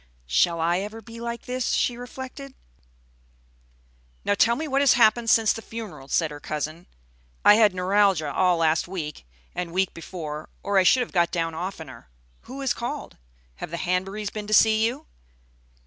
"Shall I ever be like this?" she reflected. "Now tell me what has happened since the funeral," said her cousin. "I had neuralgia all last week and week before, or I should have got down oftener. Who has called? Have the Hanburys been to see you?"